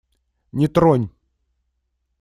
Не тронь!